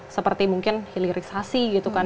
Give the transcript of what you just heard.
seperti mungkin hilirisasi gitu kan